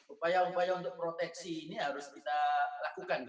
upaya upaya untuk proteksi ini harus kita lakukan